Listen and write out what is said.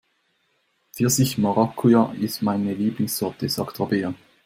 Pfirsich-Maracuja ist meine Lieblingssorte, sagt Rabea.